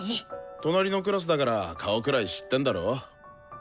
隣のクラスだから顔くらい知ってんだろ？